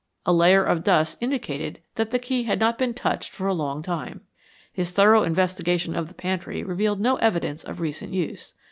A layer of dust indicated that the key had not been touched for a long time. His thorough investigation of the pantry revealed no evidence of recent use.